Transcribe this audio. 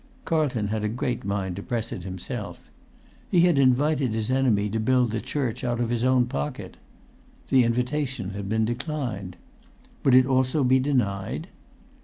Carlton had a great mind to press it himself. He had invited his enemy to build the church out of his own pocket. The invitation had been declined. Would it also be denied?